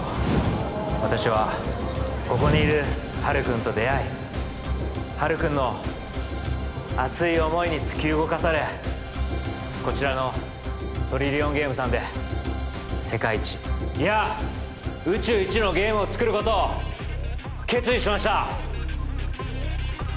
私はここにいるハルくんと出会いハルくんの熱い思いに突き動かされこちらのトリリオンゲームさんで世界一いや宇宙一のゲームを作ることを決意しました